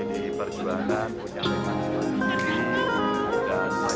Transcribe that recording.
bdi perjuangan pujang rekam sampai tunduk negeri